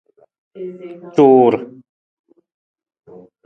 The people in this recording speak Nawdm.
Cuur !